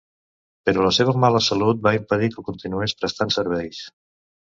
Però la seva mala salut va impedir que continués prestant serveis.